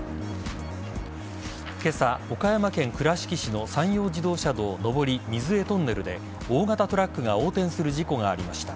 今朝、岡山県倉敷市の山陽自動車道上り水江トンネルで大型トラックが横転する事故がありました。